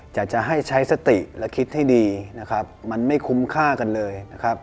จะให้ใช้สติและคิดให้ดีมันไม่คุ้มค่ากันเลย